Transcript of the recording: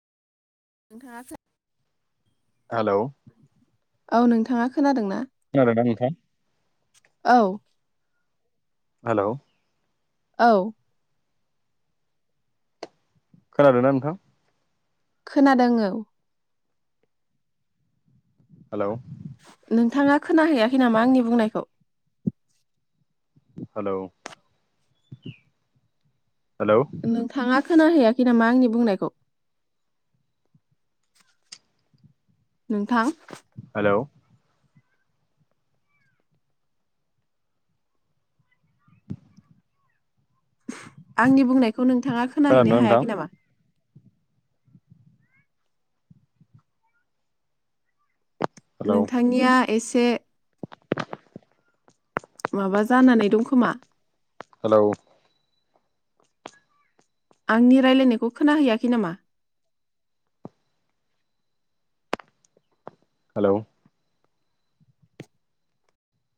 नोंथाङा सा हेल' औ नोंथाङा खोनादों ना? खोनादोंना नोंथां? औ हेल'। औ खोनादोंना नोंथां? खोनादों औ हेल' नोंथाङा खोना हैैयाखै नामा आंनि बुंनायखौ। हेल' हेल' नोंथाङा खोनाहैयाखै नामा आंनि बुंनायखौ? नोंथां हेलौ आंनि बुंनायखौ नोंथाङा खोनादोंना खोनाहैनो नोंथां हायाखै नामा? हेलौ नोंथांनिया एसे माबा जानानै दंखोमा? हेलौ आंनि रायलायनायखौ खोनााहैयाखै नामा? हेलौ